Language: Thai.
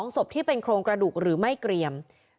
๒ศพที่เป็นโครงกระดูกหรือไม่เกรียม